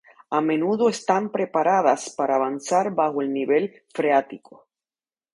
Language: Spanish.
A menudo están preparadas para avanzar bajo el nivel freático.